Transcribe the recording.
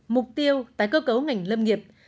mục tiêu tái cơ cấu ngành lâm nghiệp